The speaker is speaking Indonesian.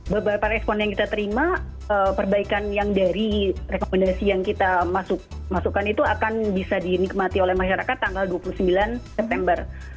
beberapa respon yang kita terima perbaikan yang dari rekomendasi yang kita masukkan itu akan bisa dinikmati oleh masyarakat tanggal dua puluh sembilan september